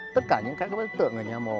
tất cả những cái bức tượng nhà mồ